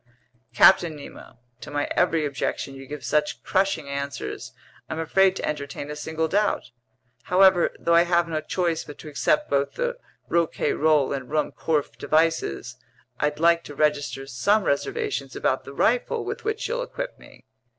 "Captain Nemo, to my every objection you give such crushing answers, I'm afraid to entertain a single doubt. However, though I have no choice but to accept both the Rouquayrol and Ruhmkorff devices, I'd like to register some reservations about the rifle with which you'll equip me."